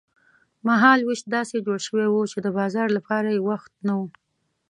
مهال وېش داسې جوړ شوی و چې د بازار لپاره یې وخت نه و.